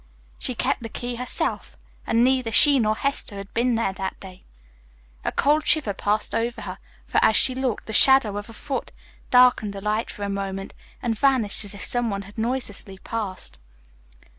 She kept the key herself and neither she nor Hester had been there that day. A cold shiver passed over her for, as she looked, the shadow of a foot darkened the light for a moment and vanished as if someone had noiselessly passed.